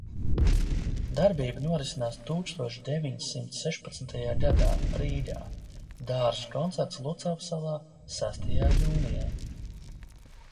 Darbība norisinās tūkstoš deviņsimt sešpadsmitajā gadā, Rīgā. Dārza koncerts Lucavsalā sestajā jūnijā